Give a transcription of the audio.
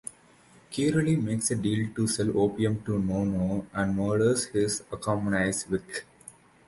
Querelle makes a deal to sell opium to Nono, and murders his accomplice Vic.